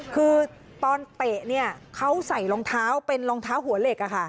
คือตอนเตะเขาใส่รองเท้าเป็นรองเท้าหัวเหล็ก